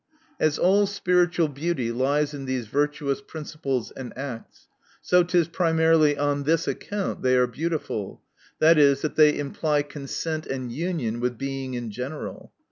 As all spiritual beauty lies in these virtuous principles and acts, so it is primarily on this account they are beautiful, viz., that they imply consent and union with Being in general.